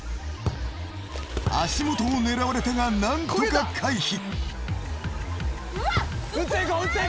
足元を狙われたがなんとか回避。